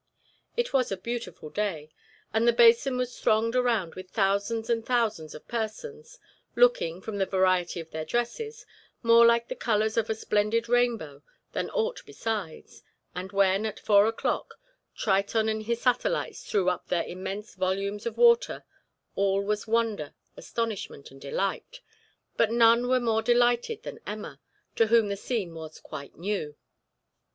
It was a beautiful day, and the basin was thronged around with thousands and thousands of persons, looking, from the variety of their dresses, more like the colors of a splendid rainbow than aught besides; and when, at four o'clock, Triton and his satellites threw up their immense volumes of water, all was wonder, astonishment, and delight; but none were more delighted than Emma, to whom the scene was quite new.